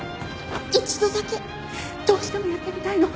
一度だけどうしてもやってみたいの。